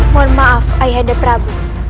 mohon maaf ayah anda prabu